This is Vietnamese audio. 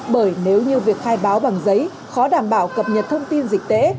bởi nếu như việc khai báo bằng giấy khó đảm bảo cập nhật thông tin dịch tễ